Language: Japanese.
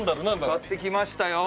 買ってきましたよ。